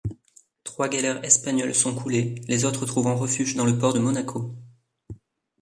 Trois galères espagnoles sont coulées, les autres trouvant refuge dans le port de Monaco.